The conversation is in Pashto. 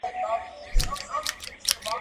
له ليري واه واه، له نژدې اوډره.